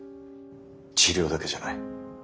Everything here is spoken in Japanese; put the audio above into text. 治療だけじゃない。